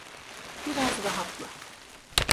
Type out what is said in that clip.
Biraz rahatla.